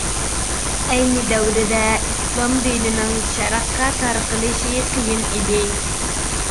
ئەينى دەۋردە ئىسلام دىنىنىڭ شەرققە تارقىلىشى قىيىن ئىدى.